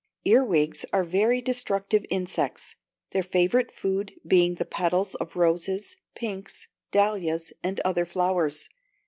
Earwigs are very destructive insects, their favourite food being the petals of roses, pinks, dahlias, and other flowers.